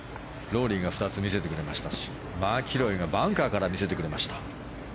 ロウリーが２つ見せてくれましたしマキロイがバンカーから見せてくれました。